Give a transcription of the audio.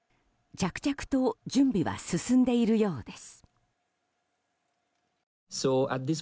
着々と準備は進んでいるようです。